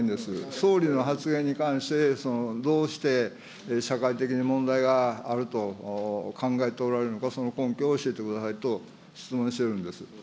総理の発言に関して、どうして社会的に問題があると考えておられるのか、その根拠を教えてくださいと質問してるんです。